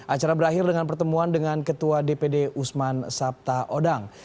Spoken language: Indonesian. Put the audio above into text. acara berakhir dengan pertemuan dengan ketua dpd usman sabta odang